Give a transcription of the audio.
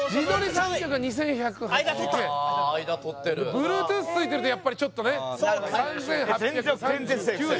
三脚が２１８９円Ｂｌｕｅｔｏｏｔｈついてるとやっぱりちょっとね３８３９円